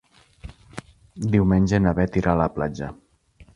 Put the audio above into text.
Diumenge na Beth irà a la platja.